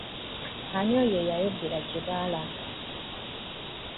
Ani oyo yayogera gye balaga?